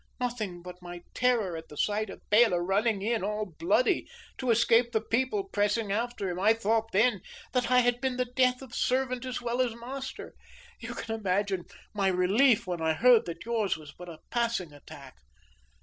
"Nothing but my terror at the sight of Bela running in all bloody to escape the people pressing after him. I thought then that I had been the death of servant as well as master. You can imagine my relief when I heard that yours was but a passing attack."